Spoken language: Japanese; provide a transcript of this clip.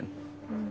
うん。